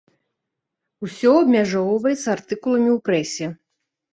Усё абмяжоўваецца артыкуламі ў прэсе.